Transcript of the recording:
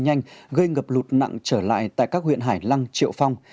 nhanh gây ngập lụt nặng trở lại tại các huyện hải lăng triệu phong